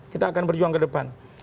kita akan berjuang kedepan